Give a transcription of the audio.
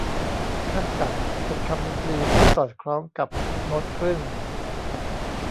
ขั้นต่ำเป็นคำดนตรีที่สอดคล้องกับโน๊ตครึ่ง